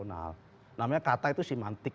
namanya kata itu semantik